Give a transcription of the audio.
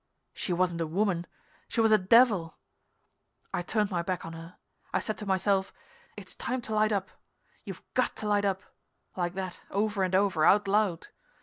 She wasn't a woman she was a devil. I turned my back on her. I said to myself: "It's time to light up. You've got to light up" like that, over and over, out loud.